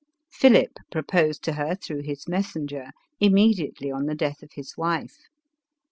Philip proposed to her, through his messenger, im mediately on the death of his wife.